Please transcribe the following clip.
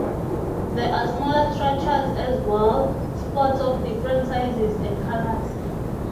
There are smaller structures as well: spots of different sizes and colors.